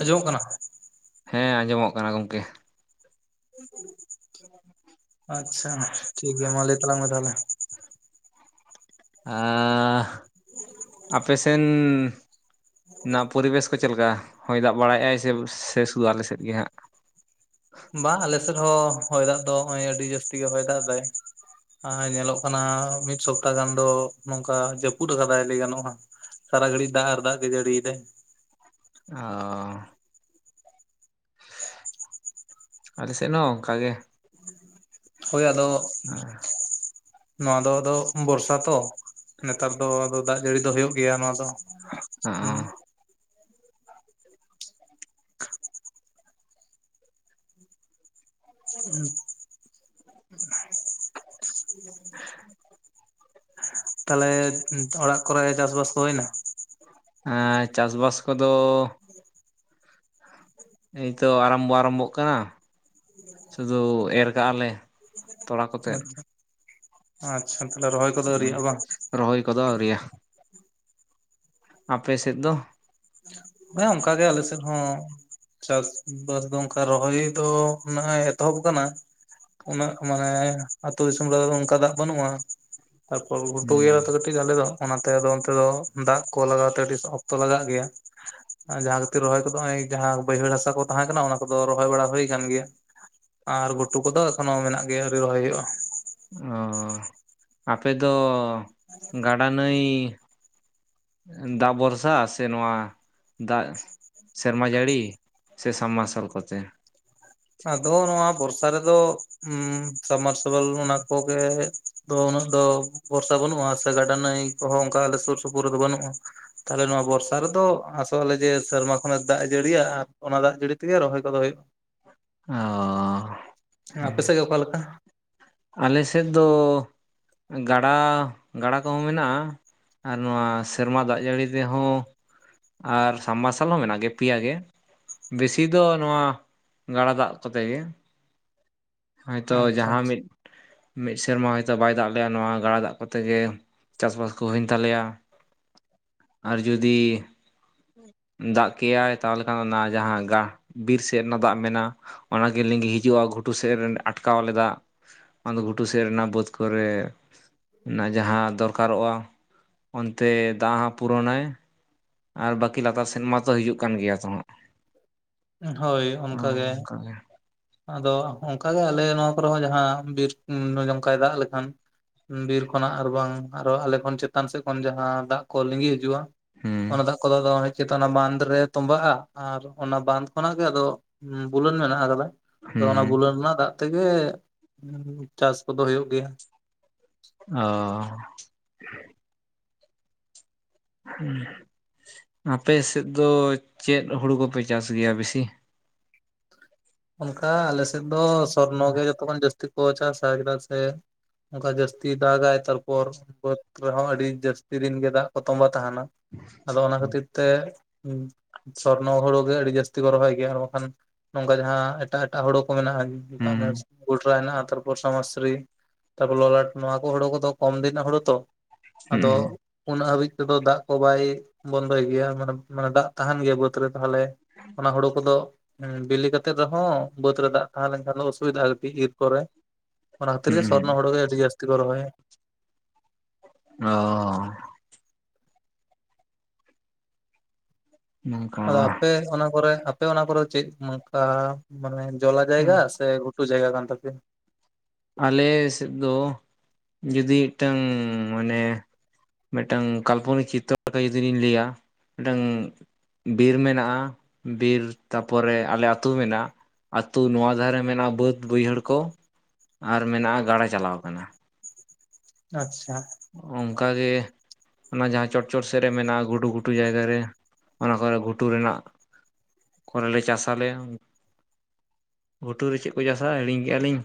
ᱟᱸᱡᱚᱢᱚᱜ ᱠᱟᱱᱟ ᱦᱮᱸ ᱟᱸᱡᱚᱢᱚᱜ ᱠᱟᱱᱟ ᱜᱚᱝᱠᱮ ᱟᱪᱪᱷᱟ ᱴᱷᱤᱠᱜᱮᱭᱟ ᱢᱟ ᱞᱟᱹᱭ ᱛᱟᱞᱟᱝ ᱢᱮ ᱛᱟᱦᱞᱮ ᱟᱸ ᱟᱯᱮᱥᱮᱱ ᱚᱱᱟ ᱯᱚᱨᱤᱵᱮᱥ ᱠᱚ ᱪᱮᱫ ᱞᱮᱠᱟ ᱦᱚᱭ ᱫᱟᱜ ᱵᱟᱲᱟᱭᱮᱫᱟᱭ ᱥᱮ ᱥᱮᱥ ᱜᱼᱟ ᱟᱞᱮᱥᱮᱫ ᱜᱮ ᱦᱟᱸᱜ ᱵᱟᱝ ᱟᱞᱮ ᱥᱮᱫ ᱦᱚᱸ ᱦᱚᱭ ᱫᱟᱜ ᱫᱚ ᱱᱚᱜᱼᱚᱭ ᱟᱹᱰᱤ ᱡᱟᱹᱥᱛᱤ ᱜᱮ ᱦᱚᱭ ᱫᱟᱜ ᱮᱫᱟᱭ ᱟᱨ ᱧᱮᱞᱚᱜ ᱠᱟᱱᱟ ᱢᱤᱫ ᱥᱚᱯᱛᱟ ᱜᱟᱱ ᱫᱚ ᱱᱚᱝᱠᱟ ᱡᱟᱹᱯᱩᱫ ᱟᱠᱟᱫᱟᱭ ᱞᱟᱹᱭ ᱜᱟᱱᱚᱜᱼᱟ ᱥᱟᱨᱟ ᱜᱟᱹᱲᱤ ᱫᱟᱜ ᱟᱨ ᱫᱟᱜ ᱜᱮ ᱡᱟᱰᱤᱭ ᱫᱟᱭ ᱚ [inaudible] ᱟᱞᱮ ᱥᱮᱱ ᱦᱚᱸ ᱚᱱᱠᱟᱜᱤ ᱦᱳᱭ ᱟᱫᱚ ᱱᱚᱶᱟ ᱫᱚ ᱟᱫᱚ ᱵᱚᱨᱥᱟ ᱛᱚ ᱱᱮᱛᱟᱨ ᱫᱚ ᱟᱫᱚ ᱫᱟᱜ ᱡᱟᱹᱲᱤ ᱫᱚ ᱦᱩᱭᱩᱜ ᱜᱮᱭᱟ ᱱᱚᱣᱟ ᱫᱚ᱾ ᱦᱚᱸᱜᱼᱚ ᱦᱩᱸ, ᱛᱟᱦᱚᱞᱮ ᱚᱲᱟᱜ ᱠᱚᱨᱮ ᱪᱟᱥ ᱵᱟᱥ ᱠᱚ ᱦᱩᱭᱱᱟ? ᱮᱸᱻ ᱪᱟᱥ ᱵᱟᱥ ᱠᱚᱫᱚ ᱮᱭ ᱛᱚ ᱟᱨᱚᱢᱵᱚ ᱟᱨᱟᱢᱵᱚᱜ ᱠᱟᱱᱟ, ᱥᱩᱫᱷᱩ ᱮᱨ ᱠᱟᱜᱼᱟ ᱞᱮ᱾ ᱛᱚᱲᱟ ᱠᱚᱛᱮᱫ, ᱟᱪᱷᱟ ᱛᱟᱦᱚᱞᱮ ᱨᱚᱦᱚᱭ ᱠᱚᱫᱚ ᱟᱹᱣᱤᱭᱜᱼᱟ ᱵᱟᱝ? ᱨᱚᱦᱚᱭ ᱠᱚᱫᱚ ᱟ. ᱣᱨᱤᱭᱟ᱾ ᱟᱯᱮ ᱥᱮᱫ ᱫᱚ? ᱦᱮᱸ ᱚᱱᱠᱟ ᱜᱮ ᱟᱞᱮ ᱥᱮᱫ ᱦᱚᱸ, ᱪᱟᱥ ᱵᱟᱥ ᱫᱚ ᱚᱱᱠᱟ ᱨᱚᱦᱚᱭ ᱫᱚ ᱱᱟᱦᱟᱜ ᱮᱛᱚᱦᱚᱵ ᱟᱠᱟᱱᱟ, ᱩᱱᱟᱹᱜ ᱢᱟᱱᱮ ᱟᱹᱛᱩ ᱫᱤᱥᱚᱢ ᱨᱮ ᱚᱱᱠᱟ ᱫᱟᱜ ᱵᱟᱹᱱᱩᱜᱼᱟ᱾ ᱛᱟᱨ ᱯᱚᱨ ᱜᱷᱩᱴᱩ ᱜᱤᱭᱟ ᱞᱮᱛᱚ ᱠᱟᱹᱴᱤᱡ, ᱠᱟᱹᱴᱤᱡ ᱟᱞᱮ ᱫᱚ ᱚᱱᱟᱛᱮ ᱚᱱᱛᱮ ᱫᱚ ᱫᱟᱜ ᱠᱚ ᱞᱟᱜᱟᱣ ᱛᱮ ᱟᱹᱰᱤ ᱚᱠᱛᱚ ᱞᱟᱜᱟᱜ ᱜᱮᱭᱟ, ᱡᱟᱦᱟᱸ ᱠᱷᱟᱹᱛᱤᱨ ᱨᱚᱦᱚᱭ ᱠᱚᱫᱚ ᱱᱚᱜ-ᱚᱭ ᱡᱟᱦᱟᱸ ᱵᱟᱹᱭᱦᱟᱹᱲ ᱦᱟᱥᱟ ᱠᱚ ᱛᱟᱦᱮᱸ ᱠᱟᱱᱟ ᱚᱱᱟ ᱠᱚᱫᱚ ᱨᱚᱦᱚᱭ ᱵᱟᱲᱟ ᱦᱩᱭ ᱠᱟᱱ ᱜᱮᱭᱟ, ᱟᱨ ᱜᱷᱩᱴᱩ ᱠᱚᱫᱚ ᱮᱠᱷᱚᱱᱚ ᱢᱮᱱᱟᱜ ᱜᱮᱭᱟ ᱟᱹᱣᱨᱤ ᱨᱚᱦᱚᱭ ᱦᱩᱭᱩᱜᱼᱟ, ᱚᱸᱟᱯᱮ ᱫᱚ ᱜᱟᱰᱟ ᱱᱟᱹᱭ ᱫᱟᱜ ᱵᱷᱚᱨᱥᱟ ᱥᱮ ᱱᱚᱶᱟ ᱫᱟᱜ ᱥᱮᱨᱢᱟ ᱡᱟᱹᱲᱤ ᱥᱮ ᱥᱟᱵ ᱢᱟᱨᱥᱟᱞ ᱠᱚᱛᱮ? ᱟᱫᱚ ᱱᱚᱣᱟ ᱵᱚᱨᱥᱟ ᱨᱮᱫᱚ ᱩᱢᱻ ᱥᱟᱵᱢᱟᱨ ᱥᱤᱵᱮᱞ ᱚᱱᱟ ᱠᱚᱜᱮ, ᱫᱚ ᱩᱱᱟᱹᱜ ᱫᱚ ᱵᱚᱨᱥᱟ ᱵᱟᱹᱱᱩᱜᱼᱟ ᱥᱮ ᱜᱟᱰᱟ ᱱᱟᱹᱭ ᱠᱚᱦᱚᱸ ᱚᱱᱠᱟ ᱟᱞᱮ ᱥᱩᱨ ᱥᱩᱯᱩᱨ ᱨᱮᱫᱚ ᱵᱟᱹᱱᱩᱜᱼᱟ᱾ ᱛᱟᱦᱚᱞᱮ ᱱᱚᱶᱟ ᱵᱚᱨᱥᱟ ᱨᱮᱫᱚ ᱟᱥᱚᱜᱼᱟᱞᱮ ᱡᱮ ᱥᱮᱨᱢᱟ ᱠᱷᱚᱱᱟᱜ ᱫᱟᱜ ᱮ ᱡᱟᱹᱲᱤᱭᱟ ᱟᱨ ᱚᱱᱟ ᱫᱟᱜ ᱡᱟᱹᱲᱤ ᱛᱮᱜᱮ ᱨᱚᱦᱚᱭ ᱠᱚᱫᱚ ᱦᱩᱭᱩᱜᱼᱟ, ᱟᱸ ᱟᱯᱮ ᱥᱮᱫ ᱜᱮ ᱚᱠᱟ ᱞᱮᱠᱟ? ᱟᱞᱮ ᱥᱮᱫ ᱫᱚ ᱜᱟᱰᱟ ᱜᱟᱰᱟ ᱠᱚᱦᱚᱸ ᱢᱮᱱᱟᱜᱼᱟ᱾ ᱟᱨ ᱱᱚᱣᱟ ᱥᱮᱨᱢᱟ ᱫᱟᱜ ᱡᱟᱹᱲᱤ ᱛᱮᱦᱚᱸ ᱟᱨ ᱥᱟᱵ ᱢᱟᱨᱥᱟᱞ ᱦᱚᱸ ᱢᱮᱱᱟᱜ ᱜᱮᱭᱟ ᱯᱤᱭᱟ ᱜᱮ, ᱵᱮᱥᱤ ᱫᱚ ᱱᱚᱣᱟ ᱜᱟᱰᱟ ᱫᱟᱜ ᱠᱚᱛᱮ ᱜᱮ, ᱦᱳᱭ ᱛᱚ ᱟᱪᱪᱷᱟ ᱡᱟᱦᱟᱸ ᱢᱤᱫ ᱢᱤᱫ ᱥᱮᱨᱢᱟ ᱦᱚᱭ ᱛᱳ ᱵᱟᱭ ᱫᱟᱜ ᱞᱮᱜᱟ ᱱᱚᱣᱟ ᱜᱟᱰᱟ ᱫᱟᱜ ᱠᱚᱛᱮ ᱜᱮ ᱪᱟᱥ ᱵᱟᱥ ᱠᱚ ᱦᱩᱭᱮᱱ ᱛᱟᱞᱮᱭᱟ, ᱟᱨ ᱡᱩᱫᱤ, ᱫᱟᱜ ᱠᱮᱭᱟᱭ ᱛᱟᱦᱚᱞᱮ ᱠᱷᱟᱱ ᱱᱟᱣᱟ ᱡᱟᱦᱟᱸ ᱜᱟ ᱵᱤᱨ ᱥᱮᱫ ᱨᱮᱱᱟᱜ ᱫᱟᱜ ᱢᱮᱱᱟᱜᱼᱟ, ᱚᱱᱟ ᱜᱮ ᱞᱤᱸᱜᱤ ᱦᱤᱡᱩᱜᱼᱟ ᱜᱷᱩᱴᱩ ᱥᱮᱫᱨᱮᱞᱮ ᱟᱴᱠᱟᱣ ᱟᱞᱮ ᱫᱟᱜ, ᱟᱫᱚ ᱜᱷᱩᱴᱩ ᱥᱮᱫ ᱨᱮᱱᱟᱜ ᱵᱟᱹᱫᱽ ᱠᱚᱨᱮ, ᱚᱱᱟ ᱡᱟᱦᱟᱸ ᱫᱚᱨᱠᱟᱨᱚᱜᱼᱟ ᱚᱱᱛᱮ ᱫᱟᱜ ᱦᱚᱸ ᱯᱩᱨᱚ ᱱᱟᱭ, ᱟᱨ ᱵᱟᱹᱠᱤ ᱞᱟᱛᱟᱨ ᱥᱮᱱ ᱢᱟᱛᱚ ᱦᱤᱡᱩᱜ, ᱠᱟᱱ ᱜᱮᱭᱟ [unintelligible] ᱟᱪᱪᱷᱟ ᱦᱳᱭ ᱦᱚᱸ ᱚᱱᱠᱟᱜᱮ ᱚᱱᱠᱟ ᱜᱮ, ᱟᱫᱚ ᱚᱱᱠᱟ ᱜᱮ ᱟᱞᱮ ᱱᱚᱣᱟ ᱠᱚᱨᱮ ᱦᱚᱸ ᱡᱟᱦᱟᱸ ᱵᱤᱨ ᱡᱚᱱᱠᱟᱭ ᱫᱟᱜ ᱞᱮᱠᱷᱟᱱ, ᱵᱤᱨ ᱠᱷᱚᱱᱟᱜ ᱟᱨ ᱵᱟᱝ ᱟᱨ ᱦᱚᱸ ᱟᱞᱮ ᱠᱷᱚᱱ ᱪᱮᱛᱟᱱ ᱥᱮᱫ ᱠᱷᱚᱱ ᱡᱟᱦᱟᱸ ᱫᱟᱜ ᱠᱚ ᱞᱤᱸᱜᱤ ᱦᱤᱡᱩᱜᱼᱟ, ᱦᱩᱸ ᱚᱱᱟ ᱫᱟ ᱟᱠᱚ ᱫᱚ ᱟᱫᱚᱭ ᱪᱮᱛᱟᱱ ᱵᱟᱸᱫ ᱨᱮ ᱛᱚᱵᱟᱜᱼᱟ ᱟᱨ ᱚᱱᱟ ᱵᱟᱸᱫ ᱠᱷᱚᱱᱟᱜ ᱜᱮ ᱟᱫᱚ ᱵᱩᱞᱟᱹᱱ ᱢᱮᱱᱟᱜ ᱟᱠᱟᱫᱟ ᱟᱫᱚ ᱚᱱᱟ ᱦᱩᱸ ᱵᱩᱞᱟᱹᱱ ᱨᱮᱱᱟᱜ ᱫᱟᱜ ᱛᱮᱜᱮ ᱪᱟᱥ ᱠᱚᱫᱚ ᱦᱩᱭᱩᱜ ᱜᱮᱭᱟᱹ᱾ ᱚ [inaudible] ᱟᱯᱮ ᱥᱮᱫ ᱫᱚ ᱪᱮᱫ ᱦᱩᱲᱩ ᱠᱚᱯᱮ ᱪᱟᱥ ᱜᱮᱭᱟ ᱵᱮᱥᱤ? ᱚᱱᱠᱟ ᱟᱞᱮ ᱥᱮᱫ ᱫᱚ ᱥᱚᱨᱱᱚ ᱜᱮ ᱡᱚᱛᱚ ᱠᱷᱚᱱ ᱡᱟᱹᱥᱛᱤ ᱠᱚ ᱪᱟᱥᱟ᱾ ᱪᱮᱫᱟᱜ ᱥᱮ ᱚᱱᱠᱟ ᱡᱟᱹᱥᱛᱤ ᱫᱟᱜᱟᱭ ᱛᱟᱨᱯᱚᱨ ᱵᱟᱹᱫᱽ ᱨᱮᱦᱚᱸ ᱟᱹᱰᱤ ᱡᱟᱹᱥᱛᱤ ᱫᱤᱱ ᱜᱮ ᱫᱟᱜ ᱠᱚ ᱛᱚᱸᱵᱟ ᱛᱟᱦᱮᱱᱟ᱾ ᱟᱫᱚ ᱚᱱᱟ ᱠᱷᱟᱹᱛᱤᱨ ᱛᱮ ᱥᱚᱨᱱᱚ ᱦᱩᱲᱩ ᱜᱮ ᱟᱹᱰᱤ ᱡᱟᱹᱥᱛᱤ ᱠᱚ ᱨᱚᱦᱚᱭ ᱜᱮᱭᱟ᱾ ᱟᱨ ᱵᱟᱠᱷᱟᱱ ᱩᱱᱠᱩ ᱟᱜ ᱡᱟᱦᱟᱸ ᱮᱴᱟᱜ ᱮᱴᱟᱜ ᱦᱩᱲᱩ ᱠᱚ ᱢᱮᱱᱟᱜᱼᱟ, ᱦᱩᱸ [unintelligible] ᱯᱮᱚᱨᱟᱭ ᱦᱮᱱᱟᱜ-ᱟ ᱛᱟᱨᱯᱚᱨ ᱥᱚᱢᱟᱥᱤᱨᱤ ᱛᱟᱨᱯᱚᱨ ᱞᱚᱞᱟᱴ ᱱᱚᱣᱟ ᱠᱚ ᱦᱩᱲᱩ ᱠᱚᱫᱚ ᱠᱚᱢ ᱫᱤᱱ ᱨᱮᱱᱟᱜ ᱦᱩᱲᱩ ᱛᱚ, ᱟᱫᱚ ᱦᱩᱸ ᱩᱱᱟᱹᱜ ᱦᱟᱹᱵᱤᱡ ᱛᱮᱫᱚ ᱫᱟᱜ ᱠᱚ ᱵᱟᱭ ᱵᱚᱱᱫᱚᱭ ᱜᱮᱭᱟ ᱢᱟᱱᱮ ᱢᱟᱱᱮ ᱫᱟᱜ ᱛᱟᱦᱮᱱ ᱜᱮᱭᱟ ᱵᱟ. ᱫᱽ ᱛᱟᱦᱚᱞᱮ ᱚᱱᱟ ᱦᱩᱲᱩ ᱠᱚᱫᱚ ᱵᱤᱞᱤ ᱠᱟᱛᱮᱫ, ᱮᱱᱛᱮ ᱨᱮᱦᱚᱸ ᱵᱟᱹᱫᱽ ᱨᱮ ᱫᱟᱜ ᱛᱟᱦᱮᱸ ᱞᱮᱱ ᱠᱷᱟᱱ ᱫᱚ ᱚᱥᱩᱵᱤᱫᱟᱜᱼᱟ ᱠᱟᱹᱴᱤᱡ ᱤᱨ ᱠᱚᱨᱮ, ᱚᱱᱟ ᱠᱷᱟᱛᱤᱨ ᱜᱮ ᱦᱩᱸ ᱥᱚᱨᱱᱚ ᱦᱳᱲᱳ ᱜᱮ ᱟᱹᱰᱤ ᱡᱟᱥᱛᱤ ᱠᱚ ᱨᱚᱦᱚᱭᱟ ᱚ ᱱᱚᱝᱠᱟ ᱟᱫᱚ ᱟᱯᱮ ᱚᱱᱟ ᱠᱚᱨᱮ ᱟᱯ ᱟᱯᱮ ᱚᱱᱟ ᱠᱚᱨᱮ ᱪᱮᱫ ᱚᱱᱠᱟ ᱢᱟᱱᱮ ᱡᱚᱞᱟ ᱡᱟᱭᱜᱟ ᱥᱮ ᱜᱷᱩᱴᱩ ᱡᱟᱭᱜᱟ ᱠᱟᱱ ᱛᱟᱯᱮᱭᱟ ᱟᱞᱮ ᱥᱮᱫ ᱫᱚ ᱡᱩᱫᱤ ᱢᱤᱫᱴᱟᱝ ᱢᱟᱱᱮ ᱢᱤᱫ ᱴᱟᱝ ᱠᱟᱞᱯᱚᱱᱤᱠ ᱪᱤᱛᱚᱨ ᱞᱮᱠᱟ ᱡᱩᱫᱤ ᱞᱤᱧ ᱞᱟᱹᱭᱟ᱾ ᱢᱤᱫ ᱴᱟᱝ ᱵᱤᱨ ᱢᱮᱱᱟᱜᱼᱟ ᱵᱤᱨ ᱛᱟ ᱯᱚᱨᱮ ᱟᱞᱮ ᱟᱹᱛᱩ ᱢᱮᱱᱟᱜᱼᱟ ᱟᱹᱛᱩ ᱱᱚᱣᱟ ᱫᱷᱟᱨᱮ ᱢᱮᱱᱟᱜᱼᱟ ᱵᱟᱹᱫ ᱵᱟᱹᱭᱦᱟᱹᱲ ᱠᱚ᱾ ᱟᱨ ᱢᱮᱱᱟᱜᱼᱟ ᱜᱟᱲᱟ ᱪᱟᱞᱟᱣ ᱟᱠᱟᱱᱟ ᱟᱪᱪᱷᱟ ᱚᱱᱠᱟᱜᱮ ᱚᱱᱟ ᱡᱟᱦᱟᱸ ᱪᱚᱴ ᱪᱚᱴ ᱥᱮᱫ ᱨᱮ ᱢᱮᱱᱟᱜᱼᱟ ᱜᱷᱩᱴᱩ ᱜᱷᱩᱴᱩ ᱡᱟᱭᱜᱟ ᱨᱮ ᱚᱱᱟ ᱠᱚᱨᱮ ᱜᱷᱩᱴᱩ ᱨᱮᱱᱟᱜ ᱠᱚᱨᱮᱞᱮ ᱪᱟᱥᱟ ᱞᱮ ᱜᱷᱩᱴᱩᱨ ᱨᱮ ᱪᱮᱫ ᱠᱚ ᱪᱟᱥᱟ ᱦᱤᱲᱤᱧ ᱠᱮᱜᱼᱟ ᱞᱤᱧ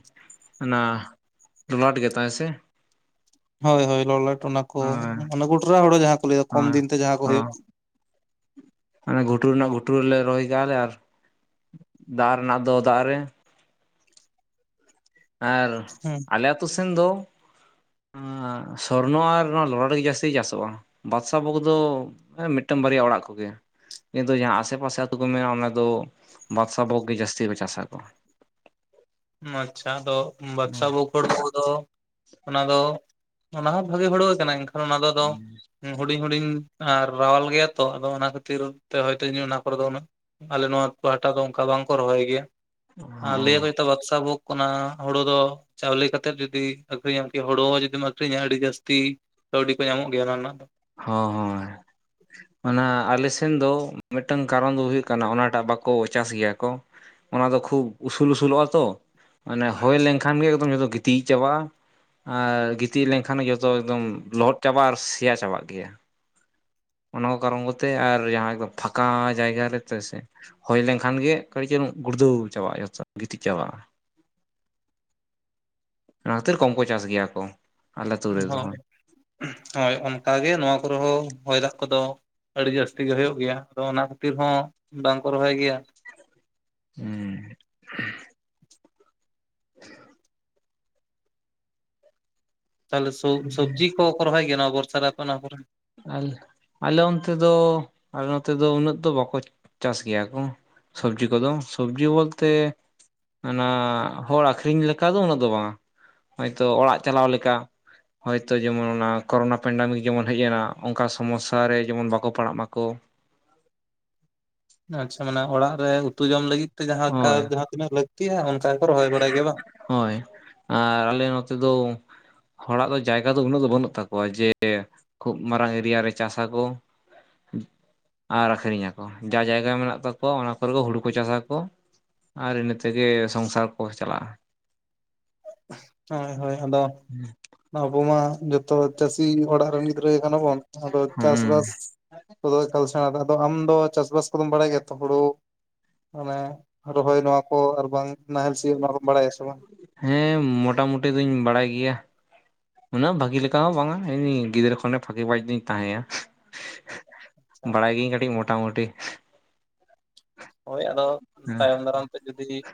ᱚᱱᱟ ᱛᱚ ᱱᱚᱶᱟ ᱴᱤᱠ ᱠᱟᱛᱷᱟ ᱦᱮᱥᱮ ᱾ ᱦᱳᱭ ᱦᱳᱭ ᱞᱚᱞᱟᱴ ᱚᱱᱟ ᱠᱚ ᱦᱳᱭ ᱢᱟᱱᱮ ᱜᱚᱴᱨᱟ ᱦᱳᱲᱳ ᱡᱟᱦᱟᱸ ᱠᱚ ᱞᱟᱹᱭᱫᱟ ᱠᱚᱢ ᱦᱳᱭ ᱫᱤᱱ ᱛᱮ ᱡᱟᱦᱟᱸ ᱠᱚ ᱦᱩᱭᱩᱜᱼᱟ᱾ ᱚᱱᱮ ᱜᱷᱩᱴᱩ ᱨᱮᱱᱟᱜ ᱜᱷᱩᱴᱩ ᱨᱮᱞᱮ ᱨᱚᱦᱚᱭ ᱠᱟᱜᱼᱟᱞᱮ ᱟᱨ ᱫᱟᱜ ᱨᱮᱱᱟᱜ ᱫᱚ ᱫᱟᱜ ᱨᱮ ᱟᱨ ᱦᱮᱸ ᱟᱞᱮ ᱟᱛᱳ ᱥᱮᱱ ᱫᱚ ᱥᱚᱨᱱᱚ ᱟᱨ ᱱᱚᱣᱟ ᱞᱚᱞᱟᱴ ᱜᱮ ᱡᱟᱹᱥᱛᱤ ᱡᱟᱥᱚᱜᱼᱟ᱾ ᱵᱟᱫᱥᱟ ᱵᱷᱳᱜᱽ ᱫᱚ ᱢᱤᱫᱴᱟᱝ ᱵᱟᱨᱭᱟ ᱚᱲᱟᱜ ᱠᱚᱜᱮ ᱠᱤᱱᱛᱩ ᱡᱟᱦᱟᱸ ᱟᱥᱮ ᱯᱟᱥᱮ ᱟᱹᱛᱩ ᱠᱚ ᱢᱮᱱᱟᱜ-ᱟ ᱚᱱᱟ ᱫᱚ ᱵᱟᱫᱥᱟ ᱵᱷᱳᱜᱽ ᱜᱮ ᱡᱟᱹᱥᱛᱤ ᱠᱚ ᱪᱟᱥᱟ [unintelligible] ᱢᱟᱪᱷᱟ ᱫᱚ ᱵᱟᱫᱥᱟ ᱵᱷᱳᱜᱽ ᱦᱚᱲᱳ ᱠᱚᱫᱚ ᱚᱱᱟ ᱫᱚ ᱚᱱᱟ ᱦᱚᱸ ᱵᱷᱟᱜᱮ ᱦᱚᱲᱳ ᱠᱟᱱᱟ ᱮᱱᱠᱷ ᱚᱱᱟ ᱫᱚ ᱦᱩᱰᱤᱧ ᱦᱩᱰᱤᱧ ᱟᱨ ᱨᱟᱣᱟᱞ ᱜᱮᱭᱟ ᱛᱚ ᱟᱫᱚ ᱚᱱᱟ ᱠᱷᱟᱹᱛᱤᱨ ᱛᱮᱦᱚᱸ ᱦᱳᱭᱛᱚ ᱤᱧ ᱦᱚᱸ ᱚᱱᱟ ᱠᱚᱨᱮ ᱫᱚ ᱩᱱᱟᱹᱜ ᱟᱞᱮ ᱱᱚᱣᱟ ᱯᱟᱦᱴᱟ ᱫᱚ ᱚᱱᱠᱟ ᱵᱟᱝ ᱠᱚ ᱨᱚᱦᱚᱭ ᱜᱮᱭᱟ ᱟᱨ ᱞᱟᱹᱭ ᱟᱠᱚ ᱵᱟᱠᱥᱟ ᱵᱷᱳᱜᱽ ᱠᱟᱱᱟ ᱦᱳᱲᱳ ᱫᱚ ᱪᱟᱣᱞᱮ ᱠᱟᱛᱮᱫ ᱡᱩᱫᱤ ᱟᱹᱠᱷᱨᱤ ᱧᱟᱢ ᱠᱤ ᱦᱳᱲᱳ ᱦᱚᱸ ᱡᱩᱫᱤᱢ ᱟᱹᱠᱷᱨᱤᱧᱟ ᱟᱹᱰᱤ ᱡᱟᱹᱥᱛᱤ᱾ ᱠᱟᱹᱣᱰᱤ ᱠᱚ ᱧᱟᱢᱚᱜ ᱜᱮᱭᱟ ᱚᱱᱟ ᱨᱮᱱᱟᱜ ᱦᱚ ᱦᱮᱸ, ᱚᱱᱟ ᱟᱞᱮ ᱥᱮᱱ ᱫᱚ ᱢᱤᱫᱴᱟᱝ ᱠᱟᱨᱚᱱ ᱫᱚ ᱦᱩᱭᱩᱜ ᱠᱟᱱᱟ ᱚᱱᱟ ᱴᱟᱜ ᱵᱟᱠᱚ ᱠᱚ ᱪᱟᱥ ᱜᱮᱭᱟ ᱠᱚ ᱚᱱᱟ ᱫᱚ ᱠᱷᱩᱵ ᱩᱥᱩᱞ ᱩᱥᱩᱞ ᱞᱚᱜᱼᱟ ᱛᱚ ᱢᱟᱱᱮ ᱦᱳᱭ ᱞᱮᱱᱠᱷᱟᱱ ᱜᱮ ᱮᱠᱫᱚᱢ ᱡᱷᱚᱛᱚ ᱜᱤᱛᱤᱡ ᱜᱤᱛᱤᱡ ᱪᱟᱵᱟᱜ᱾ ᱟᱨ ᱜᱤᱛᱤᱡ ᱞᱮᱱ ᱠᱷᱟᱱ ᱡᱚᱛᱚ ᱮᱠᱫᱚᱢ ᱞᱚᱦᱚᱫ ᱪᱟᱵᱟᱜᱼᱟ ᱟᱨ ᱥᱮᱭᱟ ᱪᱟᱵᱟᱜ ᱜᱮᱭᱟ ᱚᱱᱟ ᱠᱚ ᱠᱟᱨᱚᱱ ᱠᱚᱛᱮ ᱟᱨ ᱡᱟᱦᱟᱭ ᱠᱚ ᱯᱷᱟᱸᱠᱟ ᱡᱟᱭᱜᱟ ᱨᱮ ᱛᱚ ᱥᱮ ᱦᱩᱭ ᱞᱮᱱ ᱠᱷᱟᱱ ᱜᱮ ᱠᱟᱹᱴᱤᱡ ᱪᱩᱞᱩᱝ ᱜᱩᱲᱫᱩ ᱪᱟᱵᱟᱜᱼᱟ ᱡᱚᱛᱚ ᱜᱤᱛᱤᱡ ᱪᱟᱵᱟᱜᱼᱟ᱾ ᱚᱱᱟ ᱠᱷᱟᱹᱛᱤᱨ ᱠᱚᱢ ᱠᱚ ᱪᱟᱥ ᱜᱮᱭᱟ ᱠᱚ ᱟᱞᱮ ᱟᱹᱛᱩ ᱨᱮᱫᱚ ᱦᱚᱸ᱾ ᱦᱚᱭ ᱦᱚᱭ ᱚᱱᱠᱟᱜ ᱜᱮ ᱱᱚᱣᱟ ᱠᱚᱨᱮ ᱦᱚᱸ ᱦᱚᱭ ᱫᱟᱜ ᱠᱚᱫᱚ ᱟᱹᱰᱤ ᱡᱟᱹᱥᱛᱤ ᱜᱮ ᱦᱩᱭᱩᱜ ᱜᱮᱭᱟ ᱟᱫᱚ ᱚᱱᱟ ᱠᱷᱟᱹᱛᱤᱨ ᱦᱚᱸ ᱵᱟᱝ ᱠᱚ ᱨᱚᱦᱚᱭ ᱜᱮᱭᱟ ᱦᱮᱸ ᱛᱟᱦᱚᱞᱮ ᱥᱚᱵ ᱥᱚᱵᱽᱡᱤ ᱠᱚ ᱠᱚ ᱨᱚᱦᱚᱭ ᱜᱮ ᱵᱚᱨᱥᱟ ᱨᱮ ᱟᱯᱮ ᱚᱱᱟ ᱠᱚᱨᱮ? ᱟᱞᱮ ᱚᱱᱛᱮ ᱫᱚ ᱟᱞᱮ ᱱᱚᱛᱮ ᱫᱚ ᱩᱱᱟᱹᱜ ᱫᱚ ᱵᱟᱠᱚ ᱪᱟᱥ ᱜᱮᱭᱟ ᱠᱚ ᱥᱚᱵᱽᱡᱤ ᱠᱚᱫᱚ, ᱥᱚᱵᱽᱡᱤ ᱵᱚᱞ ᱛᱮ ᱚᱱᱟ ᱦᱚᱲ ᱟᱠᱷᱨᱤᱧ ᱞᱮᱠᱟ ᱫᱚ ᱩᱱᱟᱹᱜ ᱫᱚ ᱵᱟᱝ ᱦᱚᱭᱛᱚ ᱚᱲᱟᱜ ᱪᱟᱞᱟᱣ ᱞᱮᱠᱟ ᱦᱚᱭᱛᱚ ᱚᱲᱟᱜ ᱪᱟᱞᱟᱣ ᱞᱮᱠᱟ, ᱦᱚᱭ ᱛᱚᱡᱮᱢᱚᱱ ᱚᱱᱟ ᱠᱳᱨᱳᱱᱟ ᱯᱮᱱᱰᱟᱢᱤᱠ ᱡᱮᱢᱚᱱ ᱦᱮᱡ ᱮᱱᱟ᱾ ᱚᱱᱠᱟ ᱥᱚᱢᱚᱥᱥᱟ ᱨᱮ ᱡᱮᱢᱚᱱ ᱵᱟᱠᱚ ᱯᱟᱲᱟᱜ ᱢᱟᱠᱚ ᱟᱪᱷᱟ ᱢᱟᱱᱮ ᱚᱲᱟᱜ ᱨᱮ ᱩᱛᱩ ᱡᱚᱢ ᱞᱟᱹᱜᱤᱫ ᱛᱮ ᱡᱟᱦᱟᱸ ᱠᱟ ᱦᱳᱭ ᱡᱟᱦᱟᱸ ᱛᱤᱱᱟᱹᱜ ᱞᱟᱹᱠᱛᱤᱜ-ᱟ ᱚᱱᱠᱟ ᱜᱮᱠᱚ ᱨᱚᱦᱚᱭ ᱵᱟᱲᱟᱭ ᱜᱮᱭᱟ ᱵᱟᱝ ᱦᱳᱭ ᱟᱨ ᱟᱞᱮ ᱱᱚᱛᱮ ᱫᱚ ᱦᱚᱲᱟᱜ ᱫᱚ ᱡᱟᱭᱜᱟ ᱫᱚ ᱩᱱᱟᱹᱜ ᱫᱚ ᱵᱟᱹᱱᱩᱜ ᱛᱟᱠᱚᱣᱟ ᱡᱮ ᱠᱷᱩᱵ ᱢᱟᱨᱟᱝ ᱮᱨᱤᱭᱟ ᱨᱮ ᱪᱟᱥᱟ ᱠᱚ ᱟᱨ ᱟᱠᱷᱨᱤᱧ ᱟᱠᱚ ᱡᱟ ᱡᱟᱭᱜᱟ ᱢᱮᱱᱟᱜ ᱛᱟᱠᱚᱣᱟ ᱚᱱᱟ ᱠᱚᱨᱮ ᱜᱮ ᱦᱩᱲᱩ ᱠᱚ ᱪᱟᱥᱟᱠᱚ᱾ ᱟᱨ ᱤᱱᱟᱹ ᱛᱮᱜᱮ ᱥᱚᱝᱥᱟᱨ ᱠᱚ ᱪᱟᱞᱟᱜᱼᱟ᱾ ᱦᱳᱭ ᱦᱳᱭ ᱟᱫᱚ ᱟᱵᱚ ᱢᱟ ᱡᱚᱛᱚ ᱪᱟᱹᱥᱤ ᱚᱲᱟᱜ ᱨᱮᱱ ᱜᱤ ᱫᱨᱟᱹ ᱠᱟᱱᱟ ᱵᱚᱱ ᱟᱫᱚ ᱦᱩᱸ ᱪᱟᱥᱵᱟᱥ ᱠᱚᱫᱚ ᱮᱠᱟᱞ ᱥᱮᱲᱟ ᱠᱟᱜ ᱟᱫᱚ ᱟᱢ ᱫᱚ ᱪᱟᱥ ᱵᱟᱟᱥ ᱠᱚᱫᱚᱢ ᱵᱟᱲᱟᱭ ᱜᱮᱛᱚ ᱦᱳᱲᱳ ᱢᱟᱱᱮ ᱨᱚᱦᱚᱭ ᱱᱚᱣᱟ ᱠᱚ ᱟᱨ ᱵᱟᱝ ᱱᱟᱦᱮᱞ ᱥᱤᱭᱳᱜ ᱱᱚᱣᱟ ᱠᱚᱢ ᱵᱟᱲᱟᱭᱟ ᱥᱮ ᱵᱟᱝ? ᱦᱮᱸ ᱢᱚᱴᱟ ᱢᱩᱴᱤ ᱫᱚᱧ ᱵᱟᱲᱟᱭ ᱜᱮᱭᱟ᱾ ᱩᱱᱟᱹᱜ ᱵᱷᱟᱹᱜᱤ ᱞᱮᱠᱟ ᱦᱚᱸ ᱵᱟᱝᱟ ᱜᱤᱫᱽᱨᱟᱹ ᱠᱷᱚᱱ ᱵᱷᱟᱜᱤ ᱵᱟᱡ ᱫᱚᱧ ᱛᱟᱦᱮᱭᱟ᱾ ᱟᱪᱪᱷᱟ ᱵᱟᱲᱟᱭ ᱜᱤᱭᱟᱹᱧ ᱠᱟᱹᱴᱤᱡ ᱢᱳᱴᱟᱢᱩᱴᱤ᱾ ᱦᱳᱭ ᱟᱫᱚ, ᱛᱟᱭᱚᱢ ᱫᱟᱨᱟᱢ ᱛᱮ ᱡᱩᱫᱤ,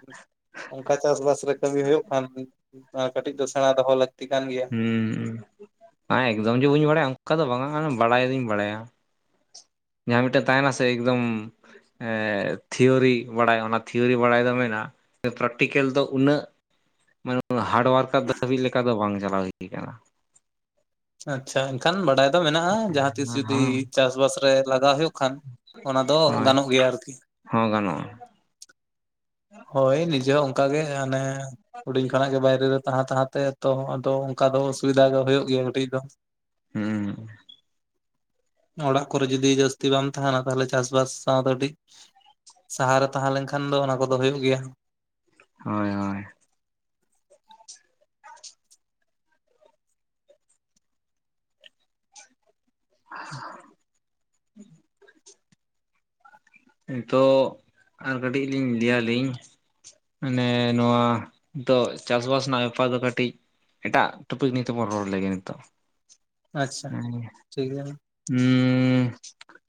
ᱚᱝᱠᱟ ᱪᱟᱥᱵᱟᱥ ᱨᱮ ᱠᱟᱹᱢᱤ ᱦᱳᱭᱳᱜ ᱠᱷᱟᱱ᱾ ᱠᱟᱹᱴᱤᱡ ᱫᱚ ᱥᱮᱬᱟ ᱫᱚᱦᱚ ᱞᱟᱹᱠᱛᱤ ᱠᱟᱱ ᱜᱮᱭᱟ᱾ ᱩ ᱟ ᱮᱠᱫᱚᱢ ᱡᱮ ᱵᱟᱹᱧ ᱵᱟᱲᱟᱭᱟ ᱚᱱᱠᱟ ᱫᱚ ᱵᱟᱝᱟ ᱵᱟᱲᱟᱭ ᱫᱩᱧ ᱵᱟᱲᱟᱭᱟ ᱾ ᱡᱟᱦᱟ ᱢᱤᱫᱴᱮᱱ ᱛᱟᱦᱮᱱᱟ ᱥᱮ ᱮᱠᱫᱚᱢ ᱮ ᱛᱷᱤᱭᱳᱨᱤ ᱵᱟᱲᱟᱭ ᱚᱱᱟ ᱛᱷᱤᱭᱳᱨᱤ ᱵᱟᱲᱟᱭ ᱫᱚ ᱢᱮᱱᱟᱜᱼᱟ᱾ ᱯᱨᱮᱠᱴᱤᱠᱮᱞ ᱫᱚ ᱩᱱᱟᱹᱜ ᱢᱟᱱᱮ ᱦᱟᱨᱰ ᱣᱟᱨᱠ ᱠᱟᱹᱵᱤ ᱞᱮᱠᱟ ᱫᱚ ᱵᱟᱝ ᱪᱟᱞᱟᱣ ᱦᱳᱭ ᱠᱟᱱᱟ ᱾ ᱟᱪᱪᱷᱟ ᱮᱱᱠᱷᱟᱱ ᱵᱟᱰᱟᱭ ᱫᱚ ᱢᱮᱱᱟᱜᱼᱟ ᱡᱟᱦᱟᱸ ᱛᱤᱥ ᱡᱩᱫᱤ ᱦᱚᱸ ᱪᱟᱥᱵᱟᱥ ᱨᱮ ᱞᱟᱜᱟᱣ ᱦᱳᱭᱳᱜ ᱠᱷᱟᱱ ᱚᱱᱟ ᱫᱚ ᱦᱳᱭ ᱜᱟᱱᱚᱜ ᱜᱮᱭᱟ ᱟᱨᱠᱤ ᱾ ᱦᱚᱸ ᱜᱟᱱᱚᱜᱼᱟ᱾ ᱦᱳᱭ ᱱᱤᱡᱮ ᱦᱚᱸ ᱚᱱᱠᱟ ᱜᱮ ᱦᱟᱱᱮ ᱦᱩᱰᱤᱧ ᱠᱷᱚᱱᱟᱜ ᱜᱮ ᱵᱟᱭᱨᱮ ᱨᱮ ᱛᱟᱦᱮᱸ ᱛᱟᱦᱮᱸ ᱛᱮ ᱛᱚ ᱟᱫᱚ ᱚᱠᱟ ᱫᱚ ᱚᱥᱩᱵᱤᱫᱷᱟ ᱫᱚ ᱦᱳᱭᱳᱜ ᱜᱮᱭᱟ ᱠᱟᱹᱴᱤᱡ ᱫᱚ ᱾ ᱦᱩᱸ ᱚᱲᱟᱜ ᱠᱚᱨᱮ ᱡᱩᱫᱤ ᱡᱟᱹᱥᱛᱤ ᱵᱟᱢ ᱛᱟᱦᱟᱱᱟ ᱛᱟᱦᱚᱞᱮ ᱪᱟᱥᱵᱟᱥ ᱥᱟᱶ ᱫᱚ ᱠᱟᱹᱴᱤᱡ ᱥᱟᱦᱟᱣ ᱨᱮ ᱛᱟᱦᱮᱸ ᱞᱮᱱᱠᱷᱟᱱ ᱫᱚ ᱚᱱᱟ ᱠᱚᱫᱚ ᱦᱳᱭᱳᱜ ᱜᱮᱭᱟ ᱾ ᱦᱚᱭ ᱦᱚᱭ ᱦᱤᱛᱚᱜ ᱟᱨ ᱠᱟᱹᱴᱤᱜ ᱞᱤᱧ ᱞᱟᱹᱭᱟᱞᱤᱧ ᱾ ᱢᱟᱱᱮ ᱱᱚᱣᱟ ᱛᱚᱜ ᱪᱟᱥᱵᱟᱥ ᱨᱮᱱᱟᱜ ᱟᱞᱯᱷᱟ ᱫᱚ ᱠᱟᱹᱴᱤᱡ ᱮᱴᱟᱜ ᱴᱚᱯᱤᱠ ᱱᱤᱭᱮᱛᱮᱵᱚᱱ ᱨᱚᱲ ᱞᱮᱜᱮ ᱱᱤᱛᱚᱜ᱾ ᱟᱪᱪᱷᱟ [unintelligible] ᱴᱷᱤᱠ ᱜᱮᱭᱟ ᱦᱩᱸ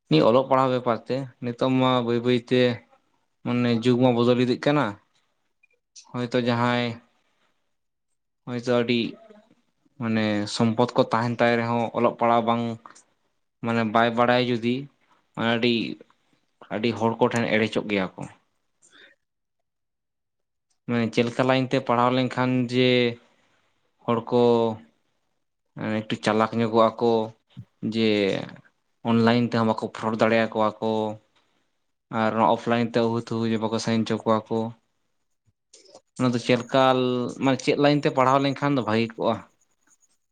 ᱱᱤᱭᱟᱹ ᱚᱞᱚᱜ ᱯᱟᱲᱦᱟᱣ ᱵᱮᱯᱟᱨ ᱛᱮ ᱱᱤᱛᱚᱜ ᱢᱟ ᱵᱟᱹᱭ ᱵᱟᱹᱭ ᱛᱮ ᱢᱟᱱᱮ ᱡᱩᱜᱽ ᱢᱟ ᱵᱚᱫᱚᱞ ᱤᱫᱤᱜ ᱠᱟᱱᱟ ᱦᱚᱭᱛᱚ ᱡᱟᱦᱟᱸᱭ ᱦᱚᱭᱛᱚ ᱟᱹᱰᱤ ᱢᱟᱱᱮ ᱥᱚᱢᱯᱚᱫ ᱠᱚ ᱛᱟᱦᱮᱱ ᱛᱟᱭ ᱨᱮᱦᱚᱸ ᱚᱞᱚᱜ ᱯᱟᱲᱦᱟ ᱵᱟᱝ ᱢᱟᱱᱮ ᱵᱟᱭ ᱵᱟᱲᱟᱭᱟ ᱡᱩᱫᱤ ᱟᱹᱰᱤ ᱟᱹᱰᱤ ᱦᱚᱲ ᱠᱚᱴᱷᱮᱱ ᱮᱲᱮ ᱪᱚᱜ ᱜᱮᱭᱟ ᱠᱚ᱾ ᱢᱟᱱᱮ ᱪᱮᱜ ᱞᱮᱠᱟ ᱞᱟᱭᱤᱱ ᱛᱮ ᱯᱟᱲᱦᱟᱣ ᱞᱮᱱᱠᱷᱟᱱ ᱡᱮ ᱦᱚᱲ ᱠᱚ ᱩ ᱮᱠᱴᱩ ᱪᱟᱞᱟᱠ ᱧᱚᱜᱚᱜ ᱟᱠᱚ ᱡᱮ ᱚᱱᱞᱟᱭᱤᱱ ᱛᱮᱦᱚᱸ ᱵᱟᱠᱚ ᱯᱷᱚᱨᱚᱴ ᱫᱟᱲᱮᱭᱟ ᱠᱚᱣᱟᱠᱚ ᱾ ᱟᱨ ᱱᱚᱣᱟ ᱚᱯᱷ ᱞᱟᱭᱤᱱ ᱛᱮ ᱦᱩᱭ ᱛᱩᱦᱩ ᱵᱟᱠᱚ ᱥᱟᱭᱤᱱ ᱪᱚ ᱠᱚᱣᱟ ᱠᱚ ᱾ ᱚᱱᱟ ᱫᱚ ᱪᱮᱫ ᱠᱟᱞ ᱢᱟᱱᱮ ᱪᱮᱫ ᱞᱟᱭᱤᱱ ᱛᱮ ᱯᱟᱲᱦᱟᱣ ᱞᱮᱱᱠᱷᱟᱱ ᱫᱚ ᱵᱷᱟᱜᱮ ᱠᱚᱜᱼᱟ᱾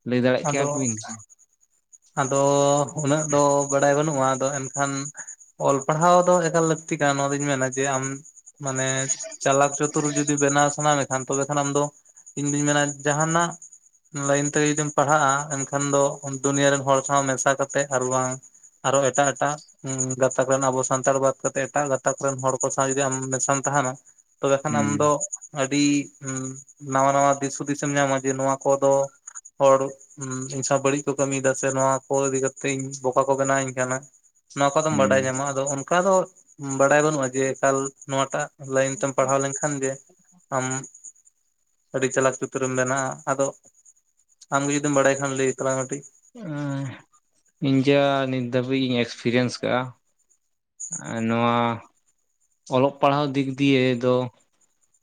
ᱞᱟᱹᱭ ᱫᱟᱲᱮᱭᱟᱜ ᱠᱮᱭᱟ ᱟᱫᱚ ᱵᱤᱱ ᱟᱫᱚ ᱩᱱᱟᱹᱜ ᱫᱚ ᱵᱟᱰᱟᱭ ᱵᱟᱹᱱᱩᱜᱼᱟ ᱟᱫᱚ ᱮᱱᱠᱷᱟᱱ ᱚᱞ ᱯᱟᱲᱦᱟᱣ ᱫᱚ ᱮᱠᱟᱞ ᱞᱟᱹᱠᱛᱤ ᱠᱟᱱᱟ ᱱᱚᱣᱟ ᱫᱚᱧ ᱢᱮᱱᱟ ᱡᱮ ᱟᱢ ᱢᱟᱱᱮ ᱪᱟᱞᱟᱠ ᱪᱳᱛ ᱛᱩᱨ ᱡᱩᱫᱤ ᱵᱮᱱᱟᱣ ᱥᱟᱱᱟ ᱢᱮᱠᱷᱟᱱ ᱛᱚᱵᱮ ᱠᱷᱟᱱ ᱟᱢᱫᱚ ᱤᱧ ᱫᱩᱧ ᱢᱮᱱᱟ ᱡᱟᱦᱟᱱᱟᱜ ᱞᱟᱭᱤᱱ ᱛᱮ ᱡᱩᱫᱤᱢ ᱯᱟᱲᱦᱟᱜᱼᱟ ᱮᱱᱠᱷᱟᱱ ᱫᱚ ᱫᱩᱱᱤᱭᱟᱹ ᱨᱮᱱ ᱦᱚᱲ ᱥᱟᱶ ᱢᱮᱥᱟ ᱠᱟᱛᱮᱫ ᱟᱨ ᱵᱟᱝ ᱟᱨᱚ ᱮᱴᱟᱜ ᱮᱴᱟᱜ ᱦᱩ ᱜᱟᱛᱟᱠ ᱨᱮᱱ ᱟᱵᱚ ᱥᱟᱱᱛᱟᱲ ᱵᱟᱫ ᱠᱟᱛᱮᱜ ᱮᱴᱟᱜ ᱜᱟᱛᱟᱠ ᱨᱮᱱ ᱦᱚᱲ ᱠᱚ ᱥᱟᱶ ᱡᱩᱫᱤ ᱟᱢ ᱢᱮᱥᱟᱢ ᱛᱟᱦᱮᱱᱟ᱾ ᱛᱚᱵᱮ ᱠᱷᱟᱱ ᱟᱢ ᱦᱩᱸ ᱫᱚ ᱟᱹᱰᱤ ᱱᱟᱣᱟ ᱱᱟᱣᱟ ᱫᱤᱥ ᱦᱩᱫᱤᱥ ᱮᱢ ᱧᱟᱢᱟ ᱡᱮ ᱱᱚᱣᱟ ᱠᱚᱫᱚ ᱦᱚᱲ ᱤᱧ ᱥᱟᱶ ᱵᱟᱹᱲᱤᱡ ᱠᱚ ᱠᱟᱹᱢᱤᱭᱮᱫᱟ ᱥᱮ ᱱᱚᱣᱟ ᱠᱚ ᱤᱫᱤ ᱠᱟᱛᱮᱜ ᱤᱧ ᱵᱚᱠᱟ ᱠᱚ ᱵᱮᱱᱟᱣ ᱤᱧ ᱠᱟᱱᱟ ᱱᱚᱣᱟ ᱠᱚᱫᱚᱢ ᱦᱩᱸ ᱵᱟᱰᱟᱭ ᱧᱟᱢᱟ ᱟᱫᱚ ᱚᱝᱠᱟ ᱫᱚ ᱵᱟᱰᱟᱭ ᱵᱟᱹᱱᱩᱜᱼᱟ ᱡᱮ ᱮᱠᱟᱞ ᱱᱚᱣᱟ ᱴᱟᱜ ᱞᱟᱭᱤᱱ ᱛᱮᱢ ᱯᱟᱲᱦᱟᱣ ᱞᱮᱝᱠᱷᱟᱱ ᱜᱮ ᱟᱢ, ᱟᱹᱰᱤ ᱪᱟᱞᱟᱠ ᱪᱩᱛᱟᱹᱨᱮᱢ ᱵᱮᱱᱟᱜᱼᱟ ᱟᱫᱚ ᱟᱢ ᱜᱮ ᱡᱩᱫᱤᱢ ᱵᱟᱲᱟᱭ ᱠᱷᱟᱱ ᱞᱟᱹᱭ ᱛᱟᱞᱟᱝ ᱢᱮ ᱠᱟᱹᱴᱤᱡ ᱤᱧ ᱡᱮ ᱱᱤᱛ ᱫᱷᱟᱹᱵᱤᱡ ᱤᱧ ᱮᱠᱥᱯᱮᱨᱤᱭᱮᱱᱥ ᱟᱠᱟᱜᱼᱟ ᱟᱨ ᱱᱚᱣᱟ ᱚᱞᱚᱜ ᱯᱟᱲᱦᱟᱣ ᱫᱤᱠ ᱫᱤᱭᱮ ᱫᱚ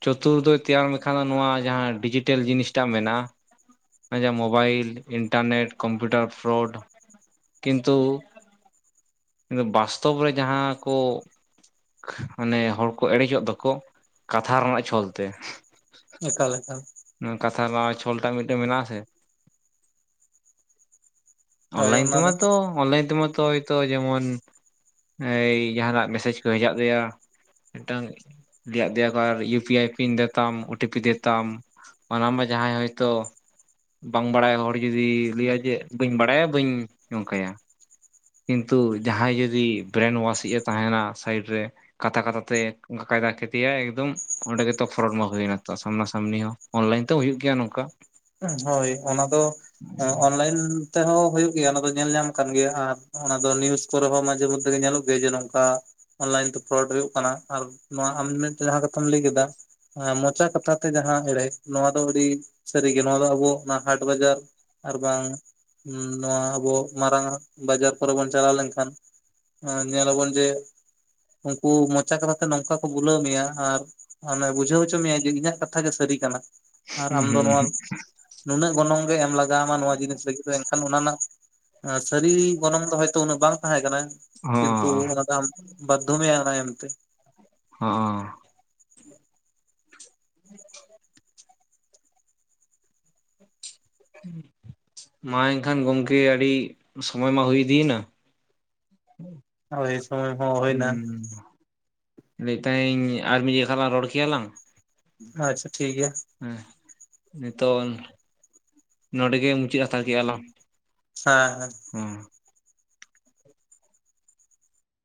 ᱪᱚᱛᱩᱨᱫᱚᱭ ᱛᱮᱭᱟᱨ ᱞᱮᱠᱷᱟᱱ ᱱᱚᱣᱟ ᱡᱟᱦᱟᱸ ᱰᱤᱡᱤᱴᱮᱞ ᱡᱤᱱᱤᱥᱴᱟᱜ ᱢᱮᱱᱟᱜᱼᱟ ᱢᱮᱱᱮ ᱢᱳᱵᱟᱭᱤᱞ ᱤᱱᱴᱟᱨᱱᱴ ᱠᱚᱢᱯᱩᱴᱟᱨ ᱯᱷᱚᱨᱚᱰ ᱠᱤᱱᱛᱩ ᱵᱟᱥᱛᱚᱵ ᱨᱮ ᱡᱟᱦᱟᱸ ᱠᱚ ᱢᱟᱱᱮ ᱦᱚᱲᱠᱚ ᱮᱲᱮᱡᱚᱜ ᱫᱚᱠᱚ ᱠᱟᱛᱷᱟ ᱨᱮᱱᱟᱜ ᱪᱷᱚᱞᱛᱮ ᱮᱠᱟᱞ ᱮᱠᱟᱞ ᱱᱚᱣᱟ ᱠᱟᱛᱷᱟ ᱱᱚᱜᱼᱚᱭ ᱪᱷᱚᱞᱴᱟᱜ ᱢᱤᱫᱴᱮᱱ ᱢᱮᱱᱟᱜᱼᱟ ᱥᱮ ᱦᱳᱭ ᱚᱱᱞᱟᱭᱤᱱ ᱚᱱᱟ ᱫᱚ ᱛᱮᱢᱟᱛᱚ ᱚᱱᱞᱟᱭᱤᱱ ᱛᱮᱢᱟᱛᱚ ᱦᱚᱛᱚ ᱡᱮᱢᱚᱱ ᱦᱮᱸ ᱡᱟᱦᱟᱱᱟᱜ ᱢᱮᱥᱮᱡᱽ ᱠᱚ ᱦᱮᱡᱟᱜ ᱜᱮᱭᱟ ᱢᱤᱫᱴᱟᱝ ᱞᱮᱭᱟᱜ ᱫᱮᱭᱟ ᱠᱚ ᱟᱨ ᱤᱭᱩ ᱯᱤ ᱟᱭᱤ ᱯᱤᱱ ᱫᱮᱛᱟᱢ ᱚ ᱴᱤ ᱯᱤ ᱫᱮᱛᱟᱢ ᱚᱱᱟᱢᱟ ᱡᱟᱦᱟᱸᱭ ᱦᱳᱭᱛᱚ ᱵᱟᱝ ᱵᱟᱲᱟᱭ ᱦᱚᱲ ᱡᱩᱫᱤ ᱞᱟᱹᱭᱟ ᱡᱮᱫ ᱵᱟᱹᱧ ᱵᱟᱲᱟᱭᱟ ᱵᱟᱹᱧ ᱱᱚᱝᱠᱟᱭᱟ ᱠᱤᱱᱛᱩ ᱡᱟᱦᱟᱸᱭ ᱡᱩᱫᱤ ᱵᱮᱨᱮᱱ ᱳᱣᱟᱥᱤᱡ ᱮ ᱛᱟᱦᱮᱸᱱᱟ ᱥᱟᱭᱤᱰ ᱨᱮ ᱠᱟᱛᱷᱟ ᱠᱟᱛᱷᱟ ᱛᱮ ᱠᱟᱭᱫᱟ ᱠᱮᱫᱮᱭᱟᱭ ᱮᱠᱫᱚᱢ ᱚᱸᱰᱮ ᱜᱮᱛᱚ ᱯᱷᱨᱚᱴ ᱢᱟ ᱦᱩᱭᱱᱟ ᱛᱚ ᱥᱟᱢᱱᱟ ᱥᱟᱢᱱᱤ ᱦᱚᱸ ᱚᱱᱞᱟᱭᱤᱱ ᱛᱮ ᱦᱩᱭᱩᱜ ᱜᱮᱭᱟ ᱱᱚᱝᱠᱟ ᱦᱳᱭ ᱚᱱᱟ ᱫᱚ ᱚᱱᱞᱟᱭᱤᱱ ᱛᱮᱦᱚᱸᱦᱳᱭᱳᱜ ᱜᱮᱭᱟ ᱚᱱᱟ ᱫᱚ ᱧᱮᱞ ᱧᱟᱢ ᱠᱟᱱ ᱜᱮᱭᱟ ᱟᱨ ᱚᱱᱟ ᱫᱚ ᱱᱤᱭᱩᱡ ᱠᱚᱨᱮ ᱦᱚᱸ ᱢᱟᱡᱷᱮ ᱢᱚᱫᱽᱫᱷᱮ ᱜᱮ ᱧᱮᱞᱚᱜ ᱜᱮᱭᱟ ᱡᱮ ᱱᱚᱝᱠᱟ ᱚᱱᱞᱟᱭᱤᱱ ᱛᱮ ᱯᱷᱚᱨᱚᱰ ᱦᱩᱭᱩᱜ ᱠᱟᱱᱟ ᱟᱨ ᱱᱚᱣᱟ ᱟᱢ ᱢᱤᱫᱴᱮᱱ ᱡᱟᱦᱟᱸ ᱠᱟᱛᱷᱟᱢ ᱞᱟᱹᱭ ᱠᱮᱫᱟ ᱦᱮᱸ ᱢᱚᱪᱟ ᱠᱟᱛᱷᱟᱛᱮ ᱡᱟᱦᱟᱸ ᱮᱲᱮ ᱱᱚᱣᱟ ᱫᱚ ᱟᱹᱰᱤ ᱥᱟᱹᱨᱤᱜᱮ ᱱᱚᱣᱟ ᱫᱚ ᱟᱵᱚ ᱚᱱᱟ ᱦᱟᱴ ᱵᱟᱡᱟᱨ ᱟᱨ ᱵᱟᱝ ᱱᱚᱣᱟ ᱟᱵᱚ ᱢᱟᱨᱟᱝ ᱵᱟᱡᱟᱨ ᱠᱚᱨᱮ ᱵᱚᱱ ᱪᱟᱞᱟᱣ ᱞᱮᱱᱠᱷᱟᱱ ᱧᱮᱞ ᱟᱵᱚᱱ ᱡᱮ ᱩᱱᱠᱩ ᱢᱚᱪᱟ ᱠᱟᱛᱷᱟᱛᱮ ᱱᱚᱝᱠᱟ ᱠᱚ ᱵᱩᱞᱟᱹᱣ ᱢᱮᱭᱟ ᱟᱨ ᱟᱢᱮ ᱵᱩᱡᱷᱟᱹᱣ ᱦᱚᱪᱚ ᱢᱮᱭᱟᱭ ᱡᱮ ᱤᱧᱟᱹᱜ ᱠᱟᱛᱷᱟ ᱜᱮ ᱥᱟᱹᱨᱤ ᱠᱟᱱᱟ ᱟᱨ ᱦᱩᱸ ᱟᱢ ᱫᱚ ᱦᱩᱸᱸ ᱱᱚᱣᱟ ᱱᱩᱱᱟᱹᱜ ᱜᱚᱱᱚᱝ ᱜᱮ ᱮᱢ ᱞᱟᱜᱟᱣᱟᱢᱟ ᱱᱚᱣᱟ ᱡᱤᱱᱤᱥ ᱨᱮᱜᱤ ᱮᱱᱠᱷᱟᱱ ᱚᱱᱟ ᱨᱮᱱᱟᱜ ᱥᱟᱹᱨᱤ ᱜᱚᱱᱚᱝ ᱫᱚ ᱦᱚᱭᱛᱚ ᱩᱱᱟᱹᱜ ᱵᱟᱝ ᱛᱟᱦᱮᱸ ᱠᱟᱱᱟ ᱠᱤᱱᱛᱩ ᱦᱚᱸ ᱚᱱᱟᱫᱚ ᱟᱢ ᱵᱟᱫᱷᱩ ᱢᱮᱭᱟᱭ ᱟᱱᱟ ᱮᱢᱛᱮ ᱦᱸᱻ ᱢᱟ ᱮᱱᱠᱷᱟᱱ ᱜᱚᱢᱠᱮ ᱟᱹᱰᱤ ᱥᱚᱢᱚᱭ ᱢᱟ ᱦᱩᱭᱤᱫᱤᱭᱮᱱᱟ ᱦᱩᱸ ᱦᱳᱭ ᱥᱚᱢᱚᱭ ᱦᱚᱸ ᱦᱩᱭᱱᱟ ᱦᱩᱸ ᱞᱟᱹᱭ ᱛᱟᱦᱮᱸ ᱤᱧ ᱟᱨ ᱢᱤᱫ ᱡᱮᱠᱷᱟ ᱞᱟᱝ ᱨᱚᱲ ᱠᱮᱭᱟᱞᱟᱝ ᱟᱪᱪᱷᱟ ᱴᱷᱤᱠ ᱜᱮᱭᱟ ᱦᱮᱸ ᱱᱤᱛᱚᱜ ᱱᱚᱰᱮᱜᱮ ᱢᱩᱪᱟᱹᱫ ᱦᱟᱛᱟᱲ ᱠᱮᱜ ᱞᱟᱝ ᱦᱮᱸ ᱦᱮᱸ